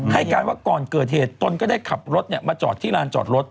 ให้การว่าก่อนเกิดเหตุตนก็ได้ขับรถมาจอดที่ลานจอดรถ